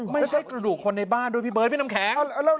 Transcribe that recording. ไม่ใช่กระดูกคนในบ้านด้วยพี่เบิร์ดพี่น้ำแข็ง